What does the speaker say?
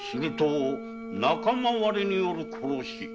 仲間割れによる殺し。